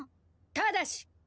ただし！